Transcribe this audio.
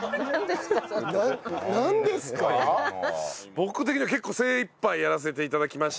僕的には結構精いっぱいやらせて頂きました。